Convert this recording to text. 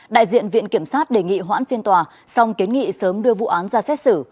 đại diện viện kiểm sát đề nghị hoãn phiên tòa song kiến nghị sớm đưa vụ án ra xét xử